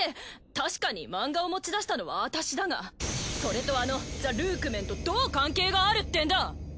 確かに漫画を持ち出したのは私だがそれとあのザ・ルークメンとどう関係があるってんだ？